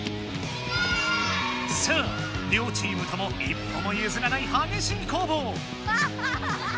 さあ両チームとも一歩もゆずらないはげしい攻防。